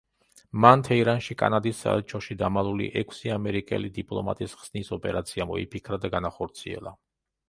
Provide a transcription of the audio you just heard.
მან თეირანში კანადის საელჩოში დამალული ექვსი ამერიკელი დიპლომატის ხსნის ოპერაცია მოიფიქრა და განახორციელა.